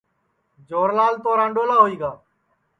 جوھر لال تو رانڈولا ہوئی گا